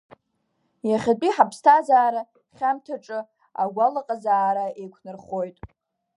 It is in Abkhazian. Иахьатәи ҳаԥсҭазаара хьамҭаҿы агәалаҟазаара еиқәнархоит.